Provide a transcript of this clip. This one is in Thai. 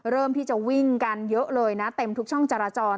เริ่มที่จะวิ่งกันเยอะเลยนะเต็มทุกช่องจราจร